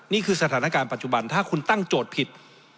นี่คือสถานการณ์ปัจจุบันถ้าคุณตั้งโจทย์ผิด